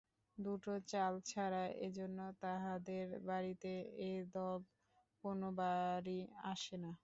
দুটো চাল ছাড়া-এজন্য তাঁহাদের বাড়িতে এ দল কোনো বারই আসে না!